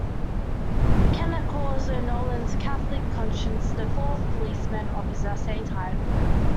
Kenner calls O'Nolan's Catholic conscience the "Fourth Policeman" of his essay's title.